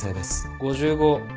５５。